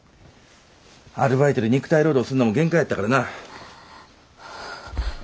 アルバイトで肉体労働すんのも限界やったからな。